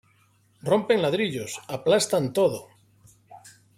Rompen ladrillos, aplastan todo.